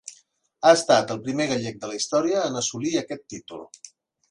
Ha estat el primer gallec de la història en assolir aquest títol.